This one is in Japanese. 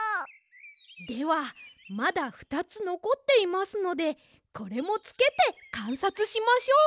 ではまだふたつのこっていますのでこれもつけてかんさつしましょう！